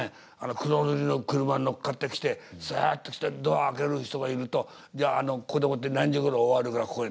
黒塗りの車に乗っかってきてすっと来てドア開ける人がいると「ここでもって何時ごろ終わるからここに」。